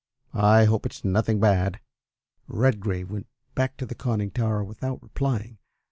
I hope it's nothing bad!" Redgrave went back to the conning tower without replying.